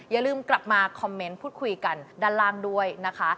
อย่าลืมกลับมาคอมเมนต์พูดคุยกันด้านล่างด้วยนะคะ